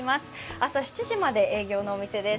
朝７時まで営業のお店です。